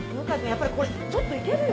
やっぱりこれちょっといけるよ。